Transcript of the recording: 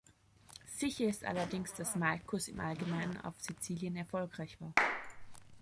Sicher ist allerdings, dass Malchus im Allgemeinen auf Sizilien erfolgreich war.